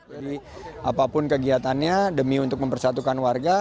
jadi apapun kegiatannya demi untuk mempersatukan warga